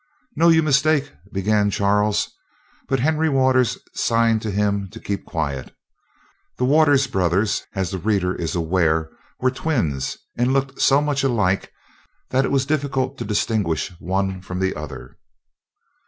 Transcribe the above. "No, you mistake " began Charles; but Henry Waters signed him to keep quiet. The Waters brothers, as the reader is aware, were twins and looked so much alike, that it was difficult to distinguish one from the other.